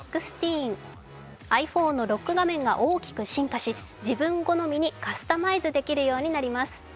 ｉＰｈｏｎｅのロック画面が大きく進化し自分好みにカスタマイズできるようになります。